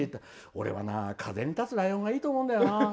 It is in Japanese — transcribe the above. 俺はな「風に立つライオン」がいいと思うんだよ。